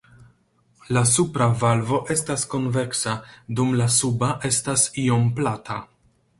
La supra valvo estas konveksa dum la suba estas iom plata.